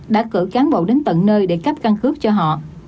đã cử cán bộ đến tận nơi để cấp căn cước cho họ